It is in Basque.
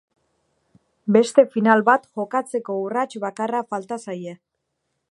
Beste final bat jokatzeko urrats bakarra falta zaie.